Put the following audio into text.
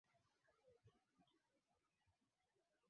Pamoja na mto Malagarasi Ziwa Tanganyika pia